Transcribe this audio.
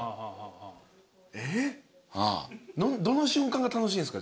どの瞬間が楽しいんすか？